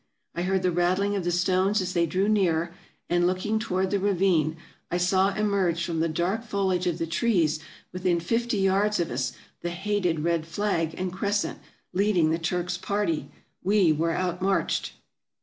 I heard the rattling of the stones as they drew nearer ; and, looking toward the ravine, I saw emerge from the dark foliage of the trees within fifty yards of us the hated red flag and crescent, leading the Turks' party! We were out marched!